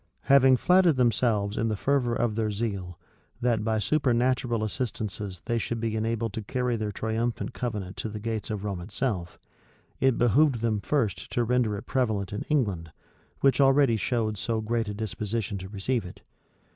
Having flattered themselves, in the fervor of their zeal, that by supernatural assistances they should be enabled to carry their triumphant covenant to the gates of Rome itself, it behoved them first to render it prevalent in England, which already showed so great a disposition to receive it.